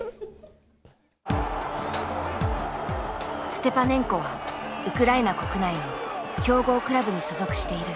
ステパネンコはウクライナ国内の強豪クラブに所属している。